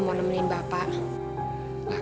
mau nemenin bapak